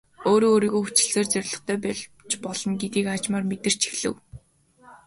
Өөрөө өөрийгөө хүчилснээр зорилготой болж болно гэдгийг аажмаар мэдэрч эхлэв.